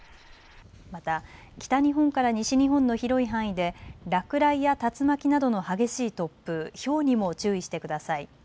また北日本から西日本の広い範囲で落雷や竜巻などの激しい突風、ひょうにも注意してください。